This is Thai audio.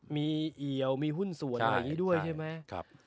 มีเอี่ยวมีหุ้นส่วนอย่างนี้ด้วยใช่ไหม